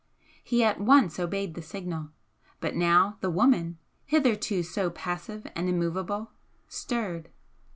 He at once obeyed the signal; but now the woman, hitherto so passive and immovable, stirred.